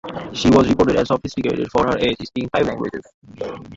She was reported as sophisticated for her age, speaking five languages.